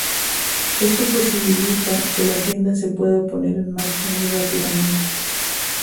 Esto posibilita que la tienda se puede poner en marcha muy rápidamente.